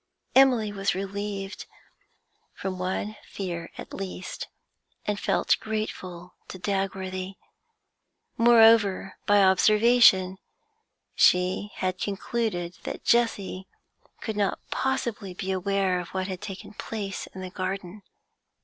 Emily was relieved from one fear at least, and felt grateful to Dagworthy. Moreover, by observation, she had concluded that Jessie could not possibly be aware of what had taken place in the garden.